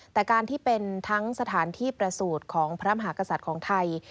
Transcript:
แต่การที่เป็นทั้งสถานที่ประสูจน์ของพระมหากษัตริย์ของไทย